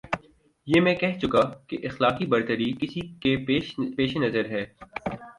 یہ میں کہہ چکا کہ اخلاقی برتری کسی کے پیش نظر ہے۔